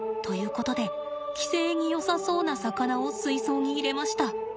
ことで寄生によさそうな魚を水槽に入れました。